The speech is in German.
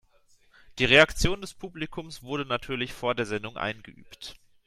Die Reaktion des Publikums wurde natürlich vor der Sendung eingeübt.